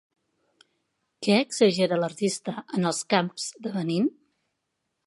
Què exagera l'artista en els caps de Benín?